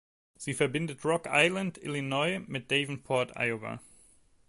Sie verbindet Rock Island, Illinois mit Davenport, Iowa.